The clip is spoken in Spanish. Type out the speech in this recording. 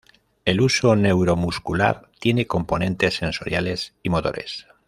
El huso neuromuscular tiene componentes sensoriales y motores.